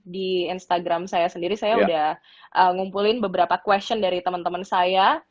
di instagram saya sendiri saya udah ngumpulin beberapa question dari teman teman saya